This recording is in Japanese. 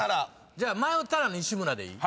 じゃあ迷ったら西村でいい？